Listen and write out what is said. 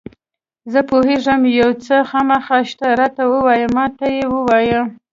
زه پوهېږم یو څه خامخا شته، راته ووایه، ما ته یې ووایه.